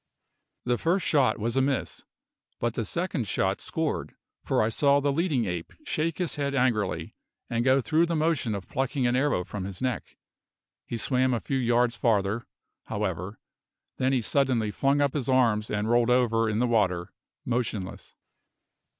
That first shot was a miss; but the second shot scored, for I saw the leading ape shake his head angrily, and go through the motion of plucking an arrow from his neck; he swam a few yards farther, however; then he suddenly flung up his arms and rolled over in the water, motionless.